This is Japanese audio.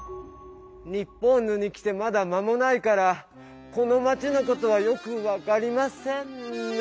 ニッポンヌに来てまだまもないからこのまちのことはよく分かりませんッヌ！